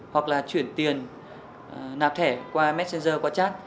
hoặc là chuyển tiền nạp thẻ qua messenger qua chat